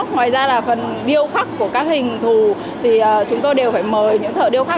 ngoài ra là phần điêu khắc của các hình thù thì chúng tôi đều phải mời những thợ điêu khắc